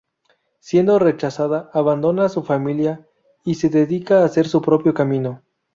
Siendo rechazada, abandona a su familia, y se dedica a hacer su propio camino.